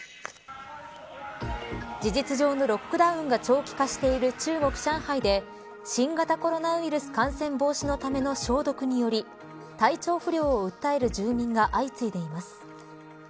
事実上のロックダウンが長期化している中国、上海で新型コロナウイルス感染防止のための消毒により体調不良を訴える住民が相次いでいます。